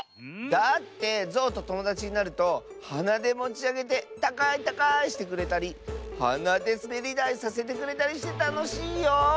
だってゾウとともだちになるとはなでもちあげてたかいたかいしてくれたりはなですべりだいさせてくれたりしてたのしいよ。